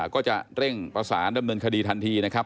ก็จะเร่งประสานดำเนินคดีทันทีนะครับ